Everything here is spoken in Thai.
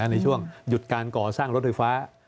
ในช่วงหยุดการก่อสร้างรถไฟฟ้า